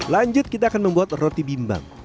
lanjut kita akan membuat roti bimbang